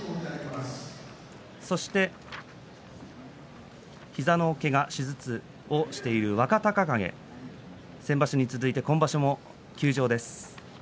そして膝のけが、手術をしている若隆景先場所に続いて今場所も休場です。